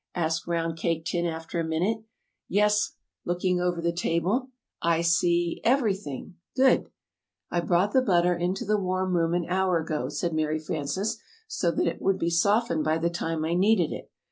asked Round Cake Tin after a minute. "Yes," looking over the table, "I see everything. Good!" [Illustration: "We must get to work."] "I brought the butter into the warm room an hour ago," said Mary Frances, "so that it would be softened by the time I needed it.